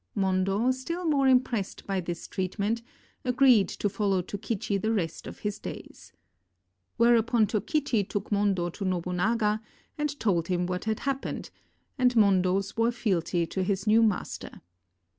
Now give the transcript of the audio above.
Mondo, still more impressed by this treatment, agreed to follow Tokichi the rest of his days. Whereupon To kichi took Mondo to Nobunaga and told him what had happened; and Mondo swore fealty to his new master.